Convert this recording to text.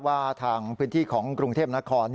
ว่าทางพื้นที่ของกรุงเทพนคร